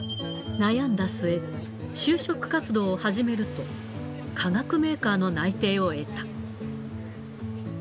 悩んだ末、就職活動を始めると、化学メーカーの内定を得た。